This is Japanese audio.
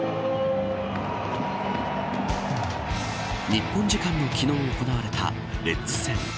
日本時間の昨日行われたレッズ戦。